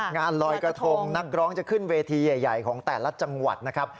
งานลอยกระทงนักร้องจะขึ้นเวทีใหญ่ของแต่ละจังหวัดนะครับ